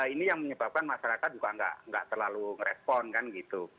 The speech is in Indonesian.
ini yang menyebabkan masyarakat juga nggak terlalu ngerespon kan gitu